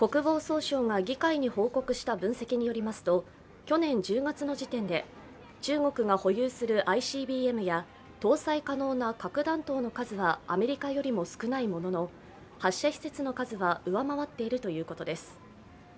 国防総省が議会に報告した分析によりますと、去年１０月の時点で中国が保有するＩＣＢＭや搭載可能な核弾頭の数はアメリカよりも少ないものの発射施設の数は上回っているということです。